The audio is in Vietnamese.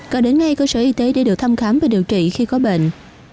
cần đến ngay cơ sở y tế để được thăm khám và điều trị khi có bệnh